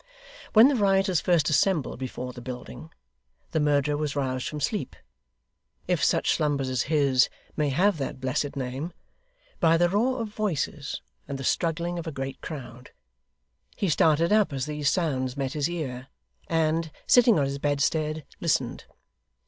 When the rioters first assembled before the building, the murderer was roused from sleep if such slumbers as his may have that blessed name by the roar of voices, and the struggling of a great crowd. He started up as these sounds met his ear, and, sitting on his bedstead, listened.